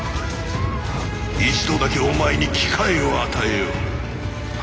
一度だけお前に機会を与えよう。